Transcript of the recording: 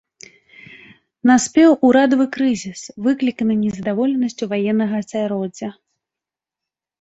Наспеў урадавы крызіс, выкліканы незадаволенасцю ваеннага асяроддзя.